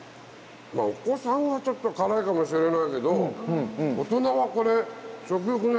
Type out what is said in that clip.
お子さんはちょっと辛いかもしれないけど大人はこれ食欲ない時に最高だね。